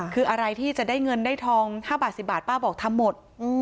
คืออะไรที่จะได้เงินได้ทอง๕บาท๑๐บาทป้าบอกทำหมด